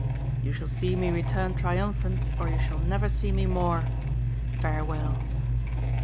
"You shall see me return triumphant, or you shall never see me more. Farewell!"